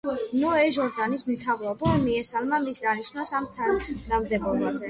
ნოე ჟორდანიას მთავრობა მიესალმა მის დანიშვნას ამ თანამდებობაზე.